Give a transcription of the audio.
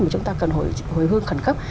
mà chúng ta cần hồi hương khẩn cấp